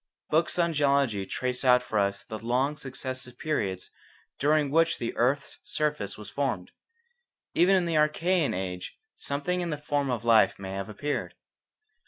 Books on geology trace out for us the long successive periods during which the earth's surface was formed. Even in the Archaean age something in the form of life may have appeared.